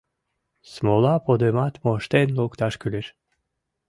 — Смола подымат моштен лукташ кӱлеш...